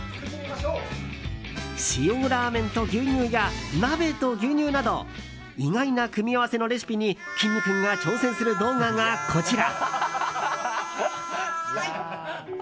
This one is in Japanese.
塩ラーメンと牛乳や鍋と牛乳など意外な組み合わせのレシピにきんに君が挑戦する動画がこちら。